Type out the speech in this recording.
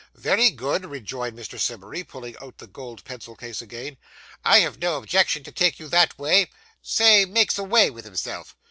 'Very good,' rejoined Mr. Simmery, pulling out the gold pencil case again. 'I've no objection to take you that way. Say, makes away with himself.